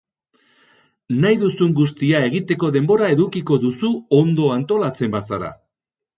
Nahi duzun guztia egiteko denbora edukiko duzu ondo antolatzen bazara.